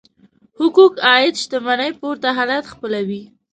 حقوق عاید شتمنۍ پورته حالت خپلوي.